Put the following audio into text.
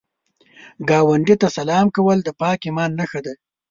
ګاونډي ته سلام کول د پاک ایمان نښه ده